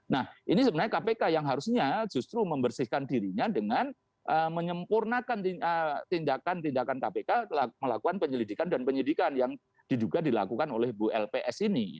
nah ini sebenarnya kpk yang harusnya justru membersihkan dirinya dengan menyempurnakan tindakan tindakan kpk melakukan penyelidikan dan penyidikan yang diduga dilakukan oleh bu lps ini